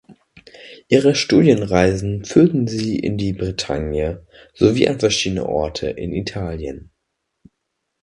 Ihre Studienreisen führten sie in die Bretagne sowie an verschiedene Orte in Italien.